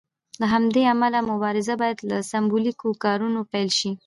له همدې امله مبارزه باید له سمبولیکو کارونو پیل شي.